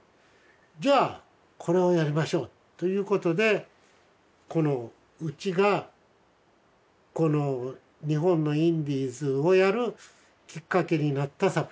じゃあこれをやりましょうということでこのうちが日本のインディーズをやるきっかけになった作品。